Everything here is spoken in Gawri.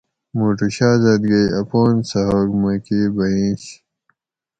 موٹو شازادگے اپان سہ ہوگ میکہ بئینش